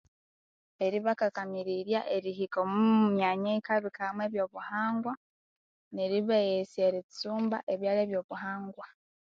Eribakakamirirya ehirika omu myanya eyikabikawa mwe byobuhangwa neri beghesya eritsimba ebyalya byo buhangwa